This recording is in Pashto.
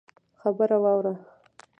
خبره واوره!